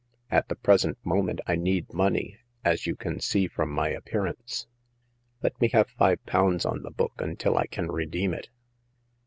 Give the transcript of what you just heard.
At * the present moment I need money, as you can see from my appearance. Let me have five pounds on the book until I can redeem it."